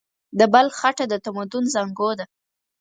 د بلخ خټه د تمدن زانګو ده.